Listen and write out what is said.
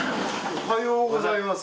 おはようございます。